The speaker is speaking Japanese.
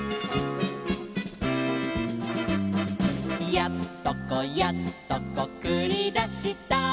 「やっとこやっとこくりだした」